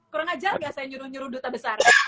kurang ajar nggak saya nyuruh nyuruh duta besar